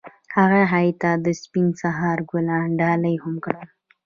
هغه هغې ته د سپین سهار ګلان ډالۍ هم کړل.